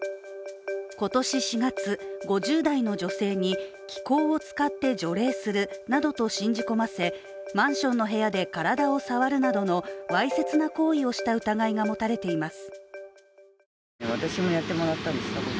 今年４月、５０代の女性に気功を使って除霊するなどと信じ込ませマンションの部屋で体を触るなどのわいせつな行為をした疑いが持たれています。